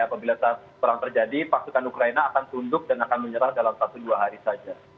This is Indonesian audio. apabila perang terjadi pasukan ukraina akan tunduk dan akan menyerah dalam satu dua hari saja